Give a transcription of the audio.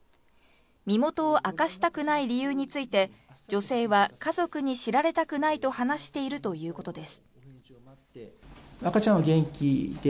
身元を明かしたくない理由について女性は、家族に知られたくないと話しているということです。